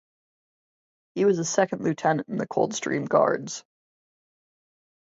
He was a Second Lieutenant in the Coldstream Guards.